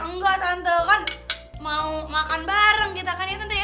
engga tante kan mau makan bareng kita kan ya tante ya